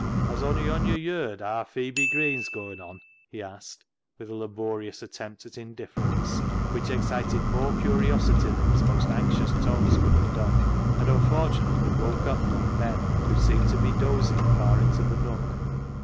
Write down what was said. " Has ony on yo' yerd haa Phebe Green's goin' on ?" he asked, with a laborious attempt at indifference which excited more curiosity than his most anxious tones could have done, and unfortunately woke up Long Ben, who seemed to be dozing far into the nook.